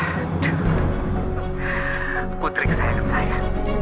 aduh putri kesayangan saya